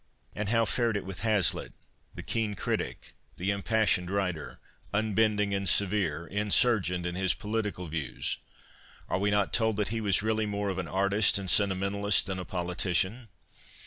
And how fared it with Hazlitt — the keen critic, the impassioned writer —' unbending and severe, insurgent in his political views '? Are we not told that he was really more of an artist and sentimentalist than a politician